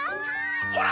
ほら！